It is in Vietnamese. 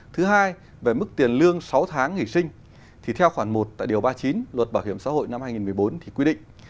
thứ hai về mức tiền lương sáu tháng nghỉ sinh thì theo khoản một tại điều ba mươi chín luật bảo hiểm xã hội năm hai nghìn một mươi bốn thì quy định